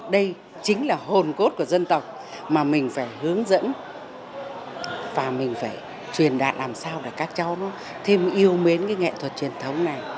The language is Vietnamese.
đây chính là hồn cốt của dân tộc mà mình phải hướng dẫn và mình phải truyền đạt làm sao để các cháu nó thêm yêu mến cái nghệ thuật truyền thống này